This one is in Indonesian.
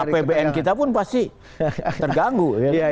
apbn kita pun pasti terganggu